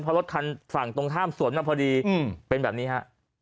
เพราะรถคันฝั่งตรงข้ามสวนมาพอดีเป็นแบบนี้ฮะ